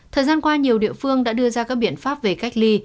thời gian qua nhiều địa phương đã đưa ra các biện pháp về cách ly